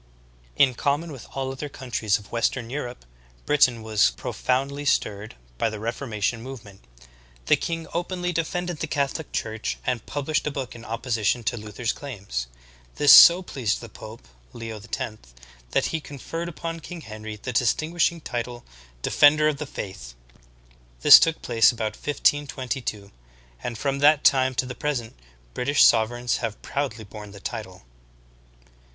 In com mon with all other countries of western Europe, Britain was profoundly stirred by the reformation movement. The king openly defended the Catholic Church and published a book in opposition to Luther's claims. This so pleased the pope, Leo X, that he conferred upon King Henry the distinguishing title, "Defender of the Faith." This took place about 1522, and from that time to the present, British sovereigns have proudly borne the title.